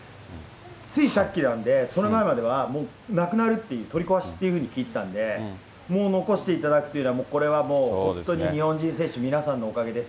ついさっきなんで、その前までは、もうなくなるって、取り壊しっていうふうに聞いてたんで、もう残していただくというのは、もうこれは本当に日本人選手、皆さんのおかげです。